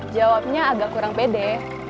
jawabnya agak kurang pede